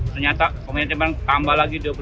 ternyata komitmen tambah lagi dua puluh satu